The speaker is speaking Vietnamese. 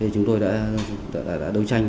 chúng tôi đã đấu tranh